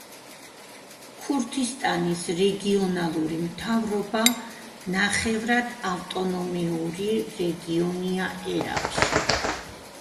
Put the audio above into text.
ქურთისტანის რეგიონალური მთავრობა ნახევრად ავტონომიური რეგიონია ერაყში.